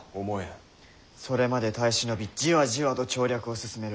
それまで耐え忍びじわじわと調略を進める。